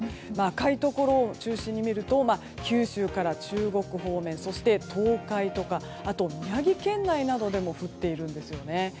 赤いところ中心にみると九州から中国方面そして、東海とかあと宮城県内でも降っているんですよね。